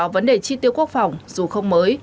ngoài ngân sách quốc phòng dù không mới